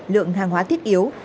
lượng hàng hóa thiết yếu